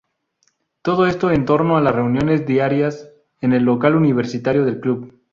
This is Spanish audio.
Todo esto en torno a las reuniones diarias en el local universitario del club.